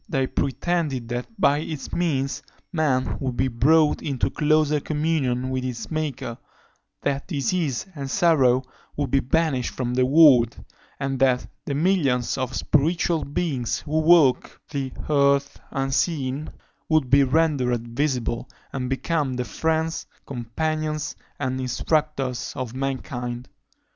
They pretended that by its means man would be brought into closer communion with his Maker; that disease and sorrow would be banished from the world; and that "the millions of spiritual beings who walk the earth unseen" would be rendered visible, and become the friends, companions, and instructors of mankind.